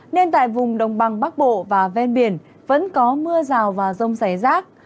nên tại vùng đồng bằng bắc bộ và ven biển vẫn có mưa rào và rông rải rác